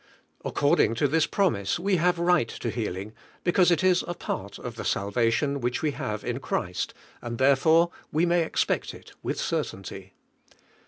According to this promise, we have right to healing, because it iB a part of the salvation which we have in Christ, and therefore we may expert il with certainty.